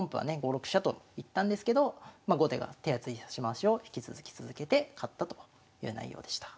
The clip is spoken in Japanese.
５六飛車といったんですけど後手が手厚い指し回しを引き続き続けて勝ったという内容でした。